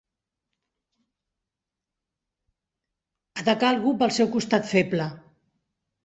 Atacar algú pel seu costat feble.